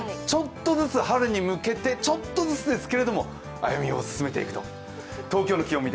ちょっとずつ春に向けてちょっとずつですけれども歩みを進めていくと。